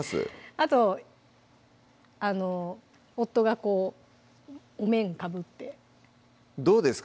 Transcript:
あとあの夫がこうお面かぶってどうですか？